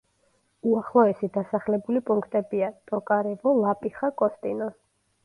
უახლოესი დასახლებული პუნქტებია: ტოკარევო, ლაპიხა, კოსტინო.